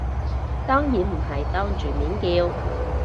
當然唔係當住面叫